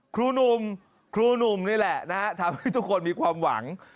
ครูหนุ่มนี่แหละนะทำให้ทุกคนมีความหวัง